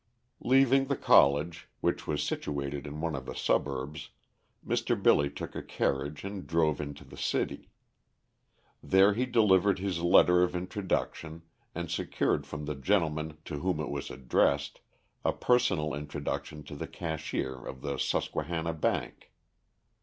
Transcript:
Leaving the college, which was situated in one of the suburbs, Mr. Billy took a carriage and drove into the city. There he delivered his letter of introduction, and secured from the gentleman to whom it was addressed a personal introduction to the cashier of the Susquehanna Bank.